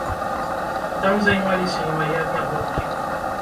Там займаліся і мае аднагодкі.